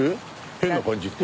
変な感じって？